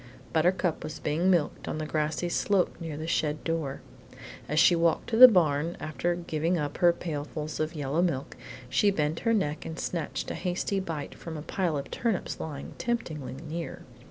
Buttercup was being milked on the grassy slope near the shed door. As she walked to the barn, after giving up her pailfuls of yellow milk, she bent her neck and snatched a hasty bite from a pile of turnips lying temptingly near.